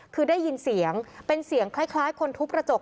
คือได้ยินเสียงเป็นเสียงคล้ายคนทุบกระจก